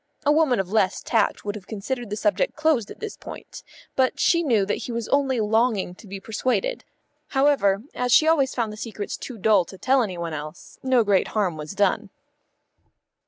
A woman of less tact would have considered the subject closed at this point, but she knew that he was only longing to be persuaded. However, as she always found the secrets too dull to tell any one else, no great harm was done.